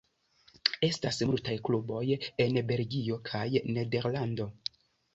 Estas multaj kluboj en Belgio kaj Nederlando.